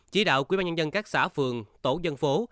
chỉ đạo quyên bàn nhân dân các xã phường tổ dân phố